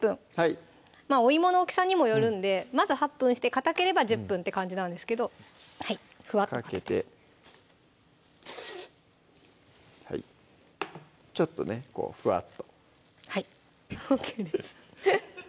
まぁお芋の大きさにもよるんでまず８分してかたければ１０分って感じなんですけどふわっとかけてちょっとねこうふわっとはいＯＫです